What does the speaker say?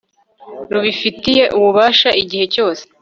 rubifiitiye ububasha igihe cyose